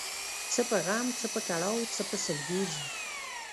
څه په غم ، څه په کړاو څه په سلګو ځي